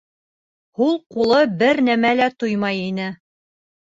Һул ҡулы бер нәмә лә тоймай ине.